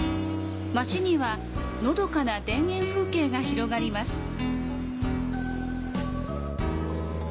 まちには、のどかな田園風景が広がります。